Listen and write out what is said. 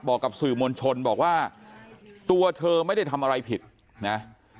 บอกกับสื่อมวลชนบอกว่าตัวเธอไม่ได้ทำอะไรผิดนะ